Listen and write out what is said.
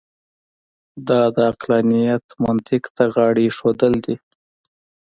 دا د عقلانیت منطق ته غاړه اېښودل دي.